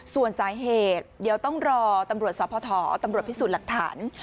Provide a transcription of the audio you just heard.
ส่วนสาเหตุเดี๋ยวต้องรอตำรวจสพตำรวจพิสูจน์หลักฐาน